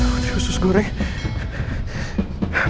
putri usus goreng